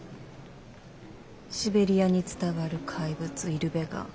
シベリアに伝わる怪物イルベガン。